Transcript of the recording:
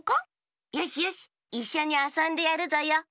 よしよしいっしょにあそんでやるぞよ。